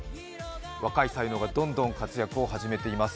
若い才能がどんどん活躍を始めています。